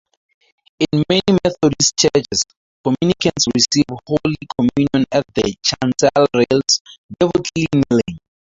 In many Methodist churches, communicants receive Holy Communion at the chancel rails, devoutly kneeling.